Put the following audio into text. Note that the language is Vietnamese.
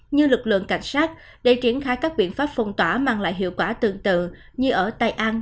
như lực lượng cảnh sát để triển khai các biện pháp phong tỏa mang lại hiệu quả tương tự như ở tây an